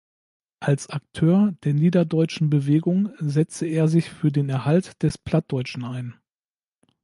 Als Akteur der niederdeutschen Bewegung setzte er sich für den Erhalt des Plattdeutschen ein.